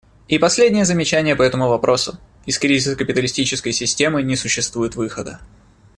И последнее замечание по этому вопросу — из кризиса капиталистической системы не существует выхода.